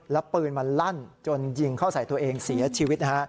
แล้วปืนมันลั่นจนยิงเข้าใส่ตัวเองเสียชีวิตนะฮะ